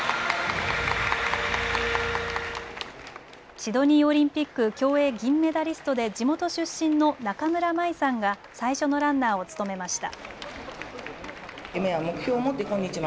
シドニーオリンピック競泳銀メダリストで地元出身の中村真衣さんが最初のランナーを務めました。